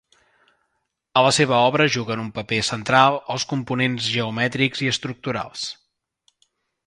A la seva obra juguen un paper central els components geomètrics i estructurals.